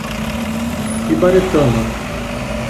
Ibaretama